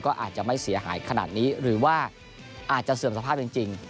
ก็อาจจะไม่เสียหายขนาดนี้หรือว่าอาจจะเสื่อมสภาพจริง